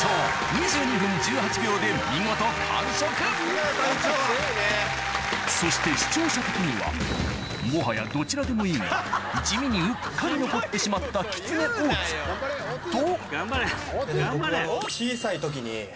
ワタリ隊長そして視聴者的にはもはやどちらでもいいが地味にうっかり残ってしまったと！